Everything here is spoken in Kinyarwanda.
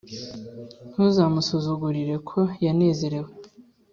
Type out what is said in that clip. ntuzamusuzugurire ko yanezerewe,